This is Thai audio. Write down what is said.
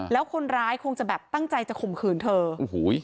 แล้วคนร้ายคงจะแบบตั้งใจจะข่มขืนเธอโอ้โห